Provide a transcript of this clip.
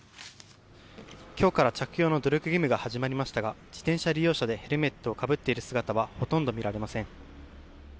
今日から着用の努力義務が始まりましたが自転車利用者でヘルメットをかぶっている姿はほとんど見られません。